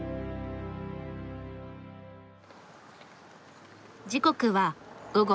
時刻は午後１時。